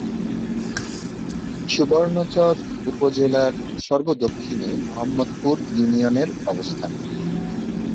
সুবর্ণচর উপজেলার সর্ব-দক্ষিণে মোহাম্মদপুর ইউনিয়নের অবস্থান।